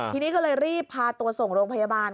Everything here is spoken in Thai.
ทีนี้ก็เลยรีบพาตัวส่งโรงพยาบาล